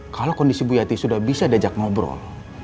kalau kondisi bu yati sudah bisa diajak ngobrol